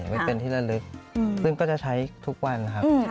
ไว้เป็นที่ละลึกซึ่งก็จะใช้ทุกวันนะครับ